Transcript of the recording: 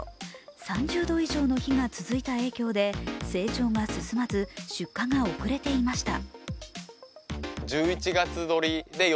３０度以上の日が続いた影響で成長が進まず、出荷が遅れていました。